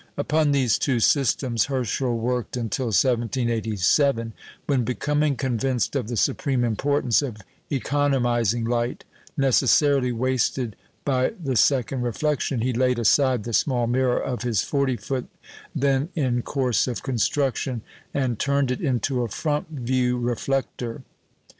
Upon these two systems Herschel worked until 1787, when, becoming convinced of the supreme importance of economising light (necessarily wasted by the second reflection), he laid aside the small mirror of his forty foot then in course of construction, and turned it into a "front view" reflector.